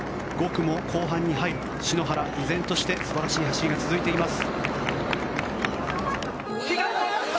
５区も後半に入り篠原、依然として素晴らしい走りが続いています。